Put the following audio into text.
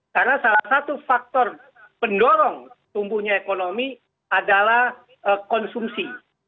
karena salah satu faktor pendorong tumbuhnya ekonomi adalah konsumsi